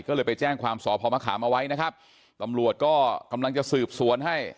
ก็เลยไปแจ้งความสพมะขามเอาไว้นะครับตำรวจก็กำลังจะสืบสวนให้